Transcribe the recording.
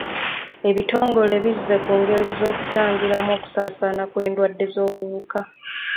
Ebitongole bizze ku ngeri z'okutangiramu okusaasaana kw'endwadde z'obuwuka.